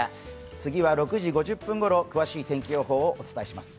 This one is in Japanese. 次は６時５０分ごろ詳しいお天気をお伝えします。